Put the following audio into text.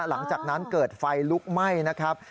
หลังจากนั้นเกิดไฟลุกไหม้นะครับ